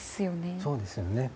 そうですよね。